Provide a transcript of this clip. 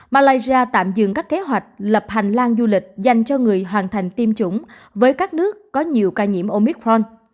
malaysia tạm dừng các kế hoạch lập hành lang du lịch dành cho người hoàn thành tiêm chủng với các nước có nhiều ca nhiễm omicron